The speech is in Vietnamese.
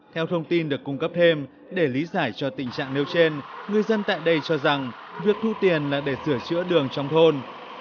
theo thông tin được cung cấp thêm để lý giải cho tình trạng nêu trên người dân tại đây cho rằng việc thu tiền là để sửa chữa đường trong thôn